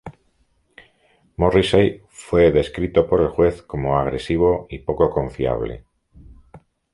Morrissey fue descrito por el juez como "agresivo y poco confiable".